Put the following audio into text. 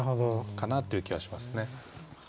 かなっていう気はしますね。